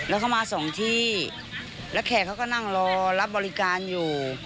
แล้วเขามาสองที่แล้วแขกเขาก็นั่งรอรับบริการอยู่